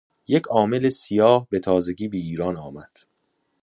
یک عامل سیا به تازگی به ایران آمد.